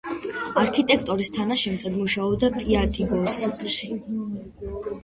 არქიტექტორის თანაშემწედ მუშაობდა პიატიგორსკში.